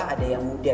ada yang muda